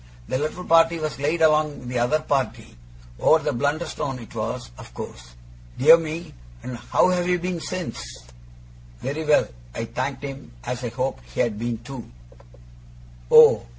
The little party was laid along with the other party. Over at Blunderstone it was, of course. Dear me! And how have you been since?' Very well, I thanked him, as I hoped he had been too. 'Oh!